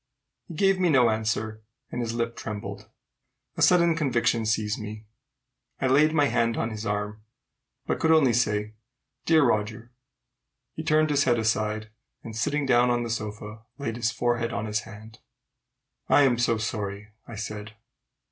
He gave me no answer, and his lip trembled. A sudden conviction seized me. I laid my hand on his arm, but could only say, "Dear Roger!" He turned his head aside, and, sitting down on the sofa, laid his forehead on his hand. "I'm so sorry!" I said.